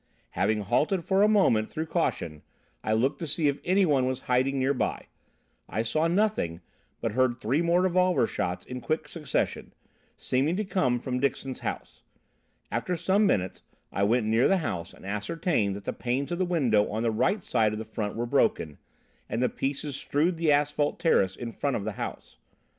"'Having halted for a moment through caution, I looked to see if anyone was hiding near by. I saw nothing but heard three more revolver shots in quick succession, seeming to come from Dixon's house. After some minutes I went near the house and ascertained that the panes of the window on the right side of the front were broken, and the pieces strewed the asphalt terrace in front of the house.